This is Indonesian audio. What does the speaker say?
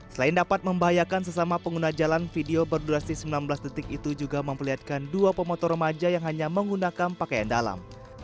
selain dapat membahayakan sesama pengguna jalan video berdurasi sembilan belas detik itu juga memperlihatkan dua pemotor remaja yang hanya menggunakan pakaian dalam